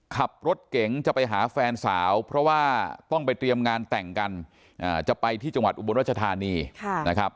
ขับรถเก๋งจะไปหาแฟนสาวเพราะว่าต้องไปเตรียมงานแต่งกันจะไปที่จังหวัดอุบลรัชธานีนะครับ